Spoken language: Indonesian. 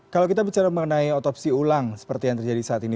kalau kita bicara mengenai otopsi ulang seperti yang terjadi saat ini